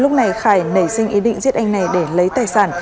lúc này khải nảy sinh ý định giết anh này để lấy tài sản